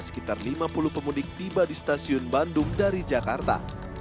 sekitar lima puluh pemudik tiba di stasiun bandung dari jakarta